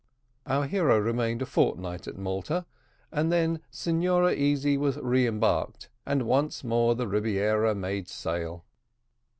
Our hero remained a fortnight at Malta, and then Signora Easy was re embarked, and once more the Rebiera made sail.